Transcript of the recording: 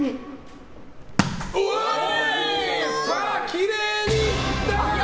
きれいにいった！